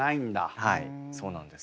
はいそうなんです。